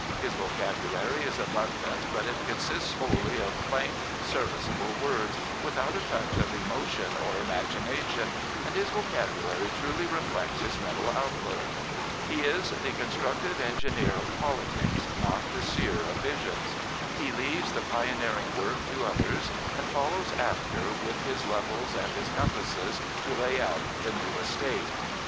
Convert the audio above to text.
His vocabulary is abundant, but it consists wholly of plain, serviceable words, without a touch of emotion or imagination, and his vocabulary truly reflects his mental outlook. is the constructive engineer of politics, not the seer of visions. He leaves the pioneering work to others and follows after with his levels and his compasses to lay out the new estate.